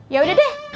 ya udah deh